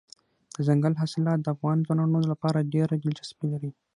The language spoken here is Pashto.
دځنګل حاصلات د افغان ځوانانو لپاره ډېره دلچسپي لري.